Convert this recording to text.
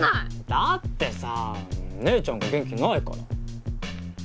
だってさ姉ちゃんが元気ないから。